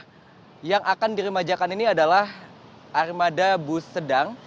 nah yang akan diremajakan ini adalah armada bus sedang